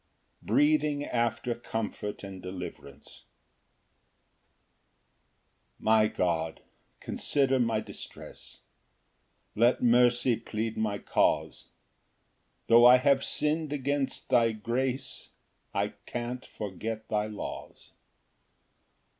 Breathing after comfort and deliverance. Ver. 153. 1 My God, consider my distress, Let mercy plead my cause; Tho' I have sinn'd against thy grace, I can't forget thy laws.